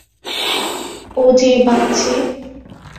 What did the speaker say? ওজে ভাগছে!